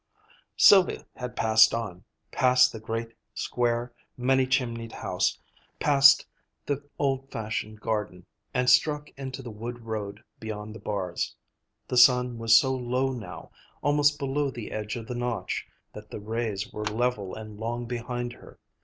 Sylvia had passed on, passed the great, square, many chimneyed house, passed the old fashioned garden, and struck into the wood road beyond the bars. The sun was so low now, almost below the edge of the Notch, that the rays were level and long behind her.